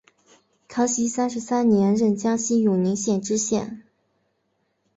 康熙三十三年任江西永宁县知县。